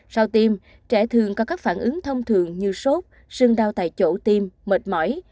sau tiêm trẻ thường có các phản ứng thông thường như sốt sương đau tại chỗ tiêm mệt mỏi